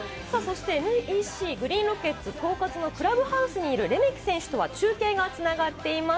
ＮＥＣグリーンロケッツ東葛のクラブハウスにいるレメキ選手とは中継が繋がっています。